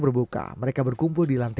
mereka bersama ini bersama di lantai tiga